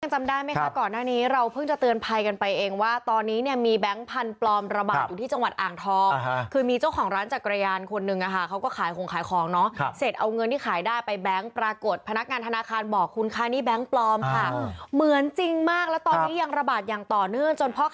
จำได้ไหมคะก่อนหน้านี้เราเพิ่งจะเตือนภัยกันไปเองว่าตอนนี้เนี่ยมีแบงค์พันธุ์ปลอมระบาดอยู่ที่จังหวัดอ่างทองคือมีเจ้าของร้านจักรยานคนนึงอะค่ะเขาก็ขายของขายของเนาะเสร็จเอาเงินที่ขายได้ไปแบงค์ปรากฏพนักงานธนาคารบอกคุณคะนี่แบงค์ปลอมค่ะเหมือนจริงมากแล้วตอนนี้ยังระบาดอย่างต่อเนื่องจนพ่อค